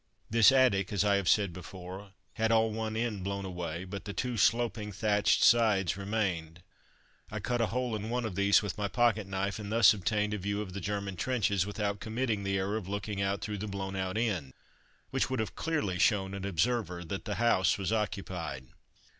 This attic, as I have said before, had all one end blown away, but the two sloping thatched sides remained. I cut a hole in one of these with my pocket knife, and thus obtained a view of the German trenches without committing the error of looking out through the blown out end, which would have clearly shown an observer that the house was occupied.